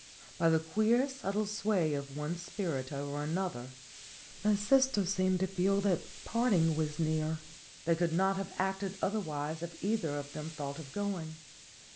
By the queer, subtile sway of one spirit over another, my sisters seemed to feel that parting was near. They could not have acted other wise if either of them thought of going.